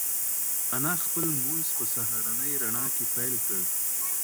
انا خپل لمونځ په سهارنۍ رڼا کې پیل کړ.